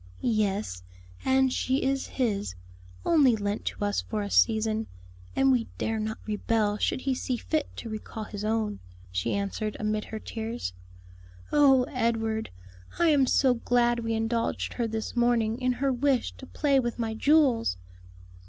"Yes; and she is His; only lent to us for a season; and we dare not rebel should He see fit to recall His own," she answered, amid her tears. "Oh, Edward, I am so glad we indulged her this morning in her wish to play with my jewels!"